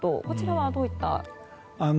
こちらはどういった？